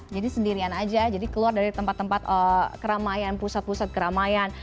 jadi sendirian aja jadi keluar dari tempat tempat keramaian pusat pusat keramaian